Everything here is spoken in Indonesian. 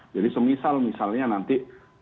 jadi semisal nanti